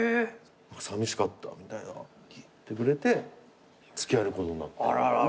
「さみしかった」みたいな言ってくれて付き合えることになって。